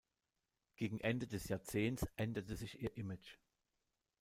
Gegen Ende des Jahrzehnts änderte sich ihr Image.